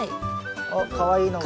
あっかわいいのが。